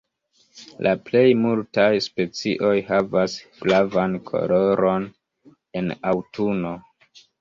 La plej multaj specioj havas flavan koloron en aŭtuno.